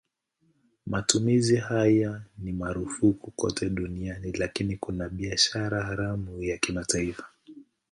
Matumizi haya ni marufuku kote duniani lakini kuna biashara haramu ya kimataifa.